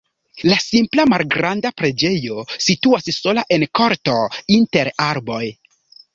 La simpla malgranda preĝejo situas sola en korto inter arboj.